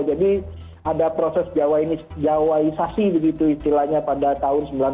jadi ada proses jawaisasi begitu istilahnya pada tahun seribu sembilan ratus delapan puluh an